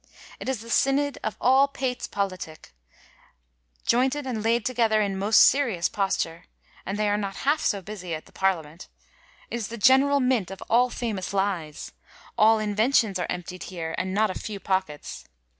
It is the Synod of all pates politicke, ioynted and laid together in most serious posture, and they are not halfe so busie at the Parliament. ... It is the generall mint of all famous lies. ... All inuentions are emptyed here, and not a few pockets.